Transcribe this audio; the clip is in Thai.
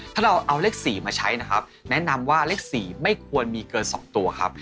ถ้าเราเอาเลข๔มาใช้นะครับแนะนำว่าเลข๔ไม่ควรมีเกิน๒ตัวครับ